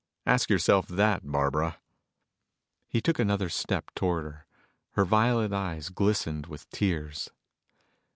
Ask yourself that, Barbara." He took another step toward her. Her violet eyes glistened with tears.